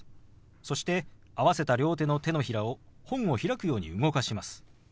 そして合わせた両手の手のひらを本を開くように動かします。